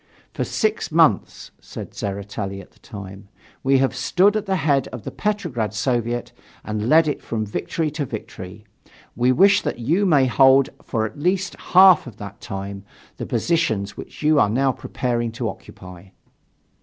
"For six months," said Tseretelli at that time, "we have stood at the head of the Petrograd Soviet and led it from victory to victory; we wish that you may hold for at least half of that time the positions which you are now preparing to occupy."